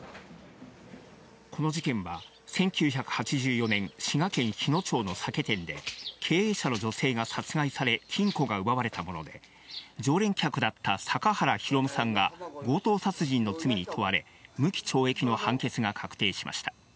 この事件は、１９８４年、滋賀県日野町の酒店で、経営者の女性が殺害され、金庫が奪われたもので、常連客だった阪原弘さんが強盗殺人の罪に問われ、無期懲役の判決が確定しました。